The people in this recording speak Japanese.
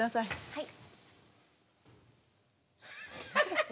はい。